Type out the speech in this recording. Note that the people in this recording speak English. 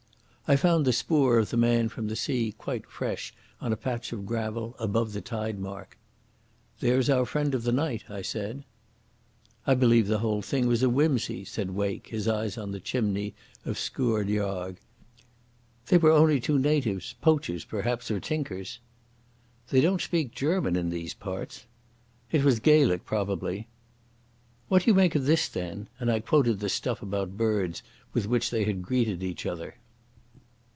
I found the spoor of the man from the sea quite fresh on a patch of gravel above the tide mark. "There's our friend of the night," I said. "I believe the whole thing was a whimsy," said Wake, his eyes on the chimneys of Sgurr Dearg. "They were only two natives—poachers, perhaps, or tinkers." "They don't speak German in these parts." "It was Gaelic probably." "What do you make of this, then?" and I quoted the stuff about birds with which they had greeted each other.